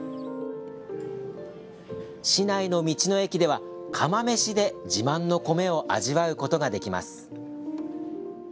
市内の道の駅では、釜飯で自慢の米を味わうことができます。